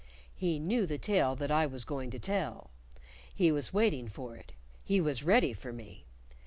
He knew the tale that I was going to tell. He was waiting for it; he was ready for me.